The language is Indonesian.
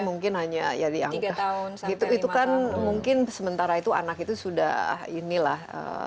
mungkin hanya jadi angka tahun itu itu kan mungkin sementara itu anak itu sudah inilah